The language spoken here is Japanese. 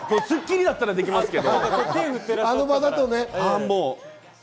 『スッキリ』だったらできますけど。